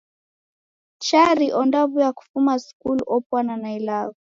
Chari ondaw'uya kufuma skulu opwana na ilagho!